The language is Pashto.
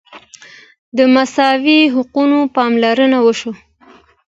د مساوي حقونو پاملرنه وشوه.